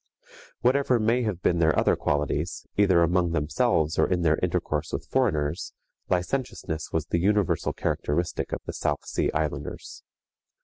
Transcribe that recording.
Whatever may have been their other qualities, either among themselves or in their intercourse with foreigners, licentiousness was the universal characteristic of the South Sea Islanders.